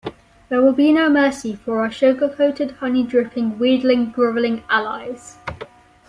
There will be no mercy for our sugar-coated, honey-dripping, wheedling, grovelling allies!